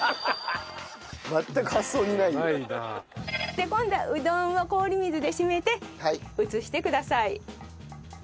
で今度はうどんを氷水でしめて移してください。